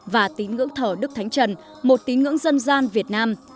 và tín ngưỡng thờ đức thánh trần một tín ngưỡng dân gian việt nam